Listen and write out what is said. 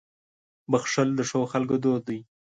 • بښل د ښو خلکو دود دی.